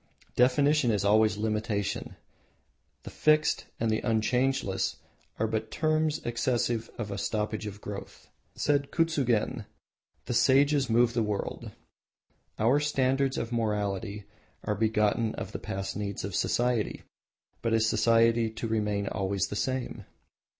Definition is always limitation the "fixed" and "unchangeless" are but terms expressive of a stoppage of growth. Said Kuzugen, "The Sages move the world." Our standards of morality are begotten of the past needs of society, but is society to remain always the same?